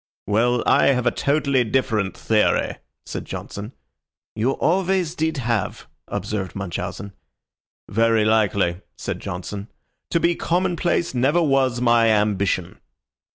"Well, I have a totally different theory," said Johnson. "You always did have," observed Munchausen. "Very likely," said Johnson. "To be commonplace never was my ambition."